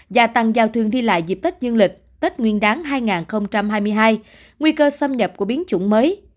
gia tăng giao thương đi lại dịp tết dương lịch tết nguyên đáng hai nghìn hai mươi hai nguy cơ xâm nhập của biến chủng mới